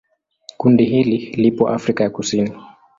Kundi hili lipo Afrika ya Kusini.